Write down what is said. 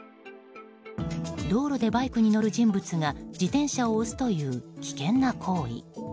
道路でバイクに乗る人物が自転車を押すという危険な行為。